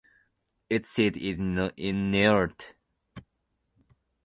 Its seat is in Niort.